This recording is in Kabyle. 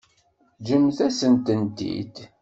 Ǧǧemt-asent-tent-id.